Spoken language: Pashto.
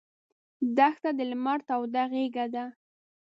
دښته د لمر توده غېږه ده.